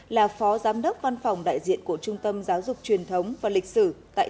là phó giám đốc văn phòng đại diện của trung tâm giáo dục truyền thống và lịch sử